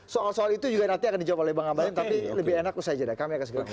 soal soal itu nanti akan dijawab oleh bang ambalin tapi lebih enak usah aja kami akan segera